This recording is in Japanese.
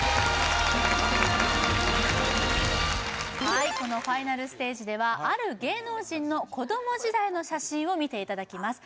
はいこのファイナルステージではある芸能人の子ども時代の写真を見ていただきます